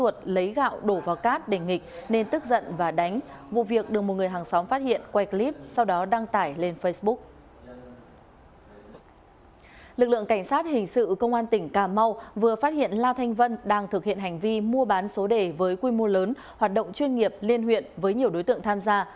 trên hình sự công an tỉnh cà mau vừa phát hiện la thanh vân đang thực hiện hành vi mua bán số đề với quy mô lớn hoạt động chuyên nghiệp liên huyện với nhiều đối tượng tham gia